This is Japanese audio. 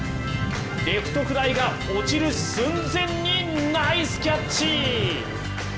レフトフライが落ちる寸前にナイスキャッチ！